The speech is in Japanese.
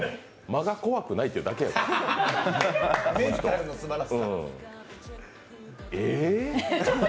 間が怖くないってだけやから。